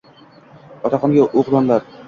Otaxonga o‘g‘lonlar